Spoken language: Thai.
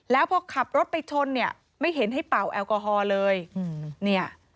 แล้วพอขับรถไปชนไม่เห็นให้เป่าแอลกอฮอล์เลย